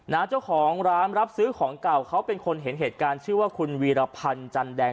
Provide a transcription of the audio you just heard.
เจ้าของร้านรับซื้อของเก่าเขาเป็นคนเห็นเหตุการณ์ชื่อว่าคุณวีรพันธ์จันแดง